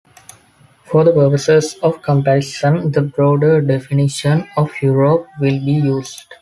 For the purposes of comparison the broader definition of Europe will be used.